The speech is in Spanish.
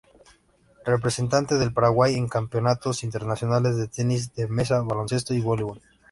Representante del Paraguay en campeonatos internacionales de tenis de mesa, baloncesto y voleibol.